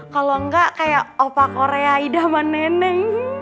kalau nggak kayak opa korea idama neneng